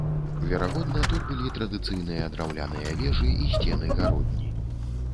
Верагодна, тут былі традыцыйныя драўляныя вежы і сцены-гародні.